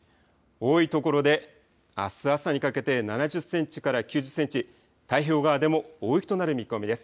多い所であす朝にかけて７０センチから９０センチ太平洋側でも大雪となる見込みです。